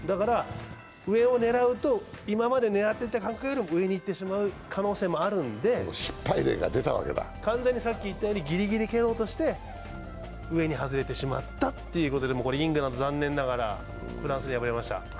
上を狙うと、今まで狙っていた感覚よりも上に行ってしまう可能性もあるので、完全にギリギリ蹴ろうとして、上に外れてしまったということでこれイングランド、残念ながらフランスに敗れました。